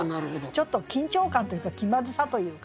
ちょっと緊張感というか気まずさというかね。